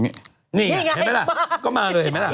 เห็นไหมละก็มาเลยเห็นไหมแหละ